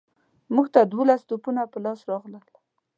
موږ ته دوولس توپونه په لاس راغلل.